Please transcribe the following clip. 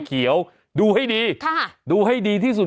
ขนมตาล